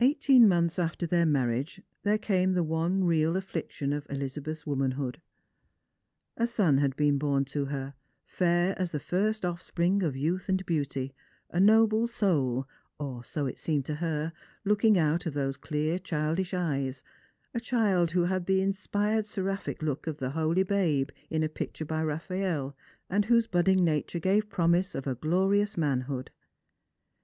Eighteen months after their marriage there came the one real affliction of Elizabeth's womanhood. A son had been, born to her, fair as the first offspring of youth and beauty, a noble soul — or so it seemed to her — looking out of those clear childish eyes, a child who had the inspired seraphic look of the holy Babe in a picture by Raffaelle, and whose budding nature gave promise of a glorious manhood.